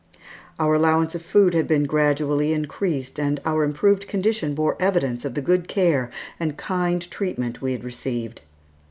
Our allowance of food had been gradually increased and our improved condition bore evidence of the good care and kind treatment we had received.